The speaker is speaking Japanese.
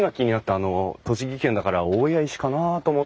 あの栃木県だから大谷石かなあと思ったんですけど。